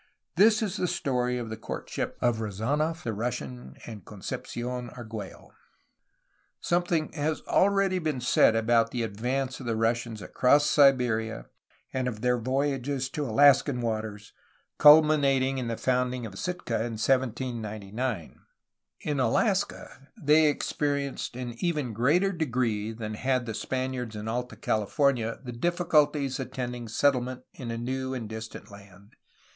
That is the story of the courtship of Rezdnof the Russian and Concepci6n Argliello. Something has already been said about the advance of the Russians across Siberia and of their voyages to Alaskan waters, culminating in the founding of Sitka in 1799. In Alaska they experienced in even greater degree than had the Spaniards in Alta California the difficulties attending settle THE ROMANTIC PERIOD, 1782 1810 411 ment in a new and distant land.